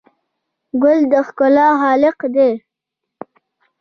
ګل د ښکلا خالق دی.